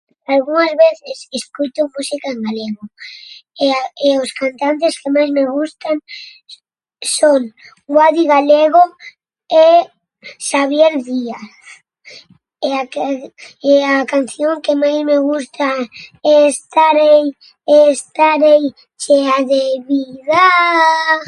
Algunhas veces escoito música en galego e a e os cantantes que máis me gustan son Guadi Galego e Xavier Díaz e a que e a canción que máis me gusta: estarei, estarei chea de vida.